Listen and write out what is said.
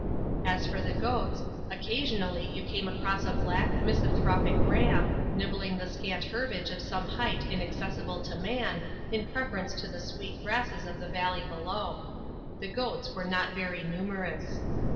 As for the goats, occasionally you come across a black, misanthropic ram, nibbling the scant herbage of some height inaccessible to man, in preference to the sweet grasses of the valley below. The goats are not very numerous.